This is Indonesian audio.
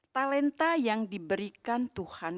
talenta yang diberikan tuhan